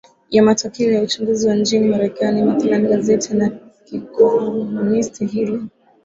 ya matokeo ya uchanguzi wa nchini marekani mathlan gazeti la kikomunisti hili